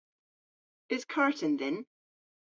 Eus karten dhyn?